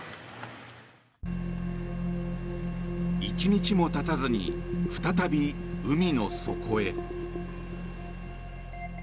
１日もたたずに再び海の底へ。